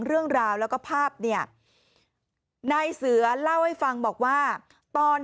เรื่องราวแล้วก็ภาพเนี่ยนายเสือเล่าให้ฟังบอกว่าตอน